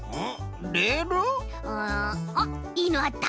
うんあっいいのあった。